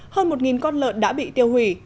hơn một con lợn đã bị tiêu hủy